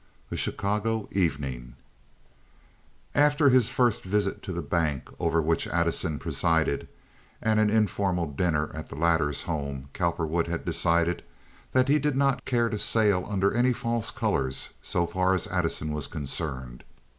A Chicago Evening After his first visit to the bank over which Addison presided, and an informal dinner at the latter's home, Cowperwood had decided that he did not care to sail under any false colors so far as Addison was concerned.